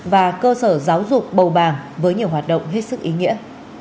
và cơ sở giáo dục bầu bàng với nhiều hoạt động hết sức ý nghĩa